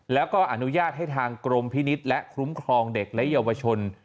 แล้วก็อนุญาตให้ทางกรมพินิษฐ์และคุ้มครองเด็กและเยาวชน